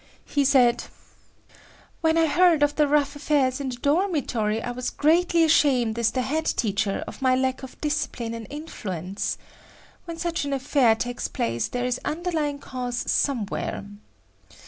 He said: "When I heard of the rough affairs in the dormitory, I was greatly ashamed as the head teacher of my lack of discipline and influence. When such an affair takes place there is underlying cause somewhere.